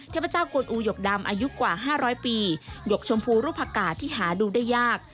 เทพเจ้ากวนอูหยกดำอายุกว่า๕๐๐ปีหยกชมพูรูปผักกาศที่หาดูได้ยาก